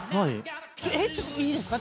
ちょっといいですか？